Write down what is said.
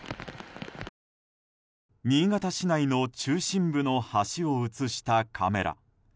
新潟市内の中心部の橋を映したカメラ。